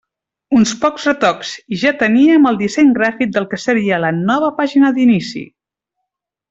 Uns pocs retocs, i ja teníem el disseny gràfic de la que seria la nova pàgina d'inici!